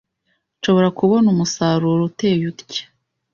nshobora kubona umusaruro uteye utya